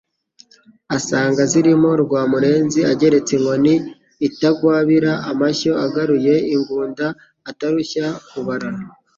Asanga azirimo RwamurenziAgeretse inkoni itagwabira amashyoAgaruye ingunda utarushya kubara